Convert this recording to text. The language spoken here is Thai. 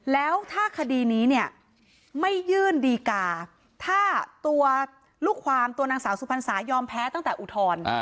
แล้วถ้าคดีนี้เนี่ยไม่ยื่นดีกาถ้าตัวลูกความตัวนางสาวสุพรรษายอมแพ้ตั้งแต่อุทธรณ์